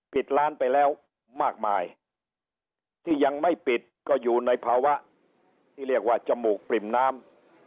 ปิดร้านไปแล้วมากมายที่ยังไม่ปิดก็อยู่ในภาวะที่เรียกว่าจมูกปริ่มน้ำ